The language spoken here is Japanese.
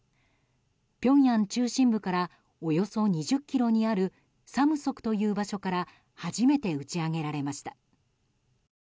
ピョンヤン中心部からおよそ２０ｋｍにあるサムソクという場所から初めて打ち上げられました。